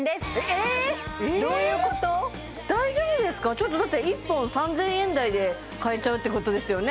ちょっとだって１本３０００円台で買えちゃうってことですよね？